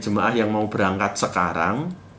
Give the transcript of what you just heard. jemaah yang mau berangkat sekarang